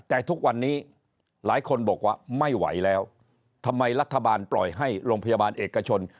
แต่ทุกวันนี้หลายคนบอกว่าไม่ไหวแล้วทำไมรัฐบาลปล่อยให้โรงพยาบาลเอกชน